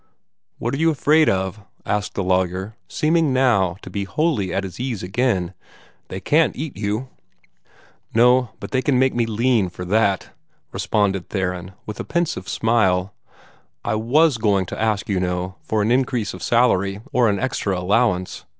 "What are you afraid of?" asked the lawyer, seeming now to be wholly at his ease again "They can't eat you." "No, they keep me too lean for that," responded Theron, with a pensive smile. "I WAS going to ask, you know, for an increase of salary, or an extra allowance.